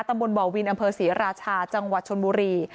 ตำบลบ่อวินอำเภอศรีราชาจังหวัดชนบุรี